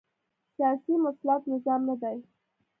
سیاسي مسلط نظام نه دی